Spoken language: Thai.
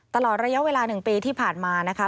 ตลอดระยะเวลา๑ปีที่ผ่านมานะคะ